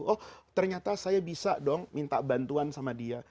oh ternyata saya bisa dong minta bantuan sama dia